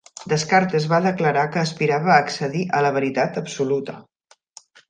Descartes va declarar que aspirava a accedir a la "veritat absoluta".